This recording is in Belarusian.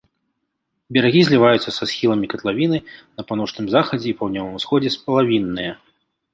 Берагі зліваюцца са схіламі катлавіны, на паўночным захадзе і паўднёвым усходзе сплавінныя.